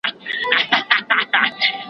زه مخکي ځواب ليکلی و!!